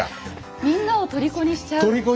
みんなをとりこにしちゃうようなね。